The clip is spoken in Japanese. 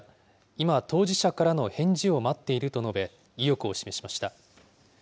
今、当事者からの返事を待っていると述べ、意欲を示しました。